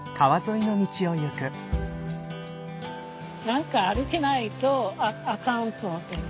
何か歩けないとあかんと思ってるの。